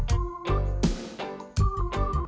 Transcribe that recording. sambungkan di panas besar